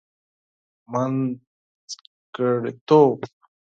منځګړتوب.